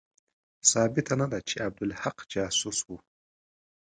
ثابته نه ده چې عبدالحق جاسوس وو.